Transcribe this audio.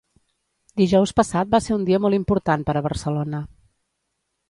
Dijous passat va ser un dia molt important per a Barcelona.